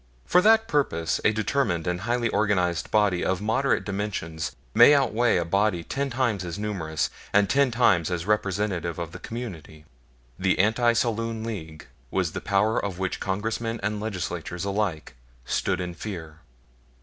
For that purpose a determined and highly organized body of moderate dimensions may outweigh a body ten times as numerous and ten times as representative of the community. The Anti Saloon League was the power of which Congressmen and Legislaturemen alike stood in fear.